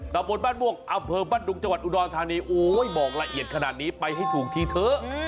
ตะบนบ้านม่วงอำเภอบ้านดุงจังหวัดอุดรธานีโอ้ยบอกละเอียดขนาดนี้ไปให้ถูกทีเถอะ